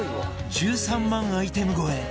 １３万アイテム超え！